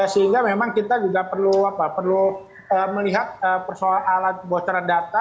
sehingga memang kita juga perlu melihat persoalan bocoran data